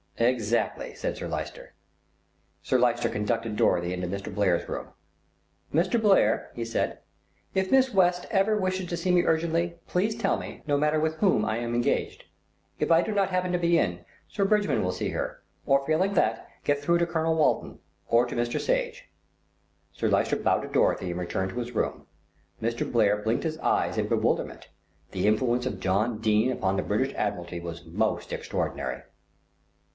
"Exactly," said Sir Lyster. Sir Lyster conducted Dorothy into Mr. Blair's room. "Mr. Blair," he said, "if Miss West ever wishes to see me urgently, please tell me, no matter with whom I am engaged. If I do not happen to be in, Sir Bridgman will see her, or failing that get through to Colonel Walton, or to Mr. Sage." Sir Lyster bowed to Dorothy and returned to his room. Mr. Blair blinked his eyes in bewilderment; the influence of John Dene upon the British Admiralty was most extraordinary.